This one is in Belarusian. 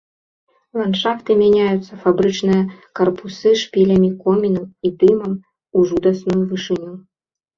Ландшафты мяняюцца, фабрычныя карпусы шпілямі комінаў і дымам у жудасную вышыню.